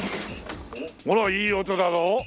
ほらいい音だろ？